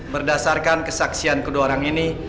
berdasarkan kesaksian kedua orang ini